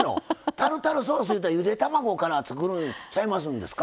タルタルソースいうたらゆで卵から作るんちゃいますんですか？